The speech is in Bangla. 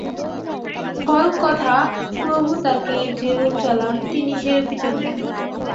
ফল কথা, প্রভু তাঁকে যেরূপ চালান, তিনি সেরূপই চলবেন।